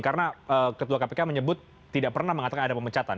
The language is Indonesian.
karena ketua kpk menyebut tidak pernah mengatakan ada pemecatan